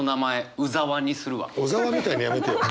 「小沢」みたいなのやめてよ。